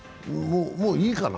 もういいかな？